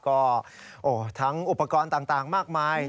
ก็ทั้งอุปกรณ์ต่างมากมาย